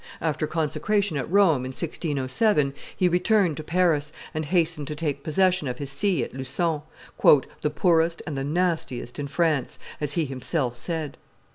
After consecration at Rome, in 1607, he returned to Paris, and hastened to take possession of his see of Lucon, "the poorest and the nastiest in France," as he himself said.